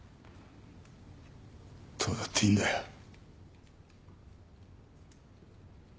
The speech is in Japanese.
どうだっていいんだよ。